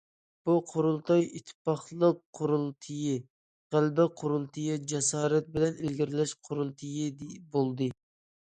بۇ قۇرۇلتاي ئىتتىپاقلىق قۇرۇلتىيى، غەلىبە قۇرۇلتىيى، جاسارەت بىلەن ئىلگىرىلەش قۇرۇلتىيى بولدى.